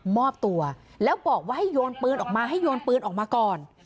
มอบตัวแล้วบอกว่าให้โยนปืนออกมาให้โยนปืนออกมาก่อน